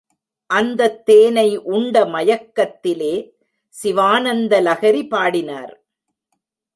அந்தத் தேனை உண்ட மயக்கத்திலே சிவானந்த லகரி பாடினார்.